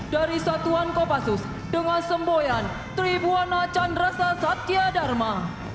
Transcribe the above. dari satuan kopassus dengan semboyan tribuana chandrasa satya dharma